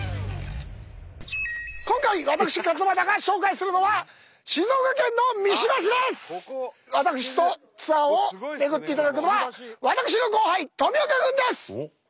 今回私勝俣が紹介するのは私とツアーを巡っていただくのは私の後輩富岡君です！